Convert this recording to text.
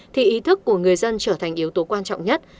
thì ý thức của người dân trở thành yếu tố quan trọng nhất